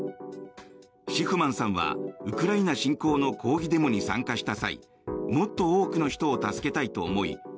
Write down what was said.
シフマンさんはウクライナ侵攻の抗議デモに参加した際もっと多くの人を助けたいと思い